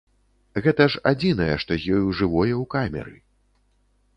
Гэта ж адзінае, што з ёю жывое ў камеры!